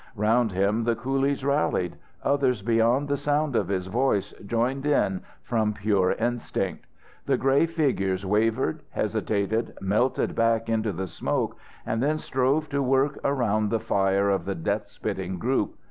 Round him the coolies rallied; others beyond the sound of his voice joined in from pure instinct. The grey figures wavered, hesitated, melted back into the smoke, and then strove to work around the fire of the death spitting group.